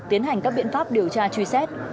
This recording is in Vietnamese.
tiến hành các biện pháp điều tra truy xét